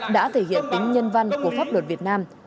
đã thể hiện tính nhân văn của pháp luật việt nam